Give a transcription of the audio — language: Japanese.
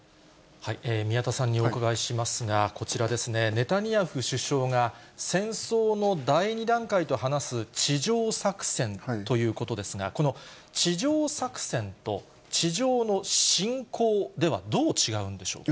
宮田さんにお伺いしますが、こちらですね、ネタニヤフ首相が戦争の第２段階と話す地上作戦ということですが、この地上作戦と、地上の侵攻ではどう違うんでしょうか。